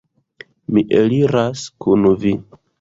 Mi eliras kun vi.